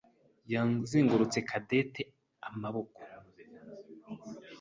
yazengurutse Cadette amaboko.